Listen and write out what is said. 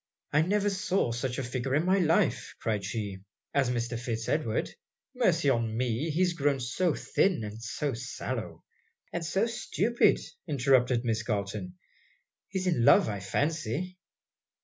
'I never saw such a figure in my life,' cried she, 'as Mr. Fitz Edward. Mercy on me! he is grown so thin, and so sallow!' 'And so stupid,'interrupted Miss Galton. 'He is in love I fancy.'